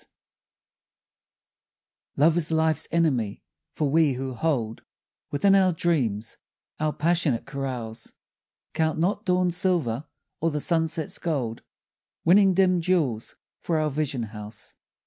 S. LOVE is life's enemy, for we who hold Within our dreams our passionate carouse, Count not dawn's silver or the sunset's gold, Winning dim jewels for our vision house.